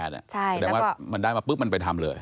แสดงว่ามันได้มาปุ๊บมันไปทำเลย